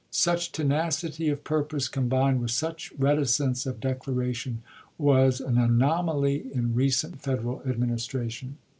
Such tenacity of purpose, combined with such reticence of declaration, was an anomaly in recent Federal administration.